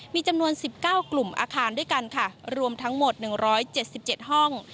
มีจำนวน๑๙กลุ่มอาคารด้วยกันค่ะรวมทั้งหมด๑๗๗ห้อง